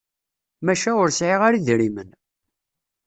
Maca ur sεiɣ ara idrimen.